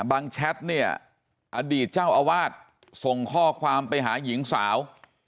แชทเนี่ยอดีตเจ้าอาวาสส่งข้อความไปหาหญิงสาว